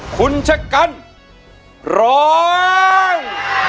คุณชะกันร้อง